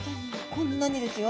こんなにですよ。